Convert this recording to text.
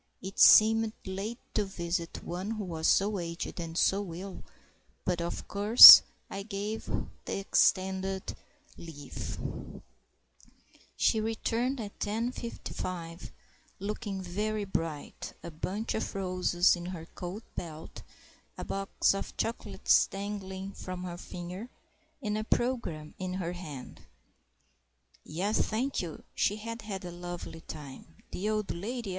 It seemed late to visit one who was so aged and so ill, but, of course, I gave the extended leave. She returned at 10.55, looking very bright, a bunch of roses in her coat belt, a box of chocolates dangling from her finger, and a programme in her hand. Yes, thank you; she had had a lovely time. The old lady?